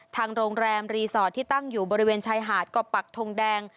ทางโรงแรมรีสอร์ทที่ตั้งอยู่บริเวณชายหาดก็ปักทงแดง